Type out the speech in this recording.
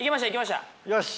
よし。